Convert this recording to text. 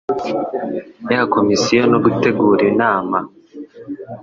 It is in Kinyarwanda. ya Komisiyo no gutegura Inama